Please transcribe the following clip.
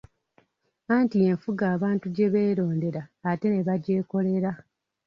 Anti ye nfuga abantu gye beerondera ate ne bagyekolera.